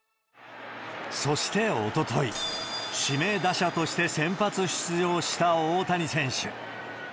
そしておととい、指名打者として先発出場した大谷選手。